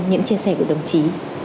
những chia sẻ của đồng chí